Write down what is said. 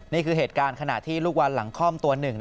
นี่คือเหตุการณ์ขณะที่ลูกวันหลังคล่อมตัวหนึ่ง